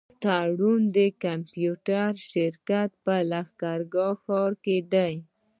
تړون کمپيوټر شرکت په لښکرګاه ښار کي دی.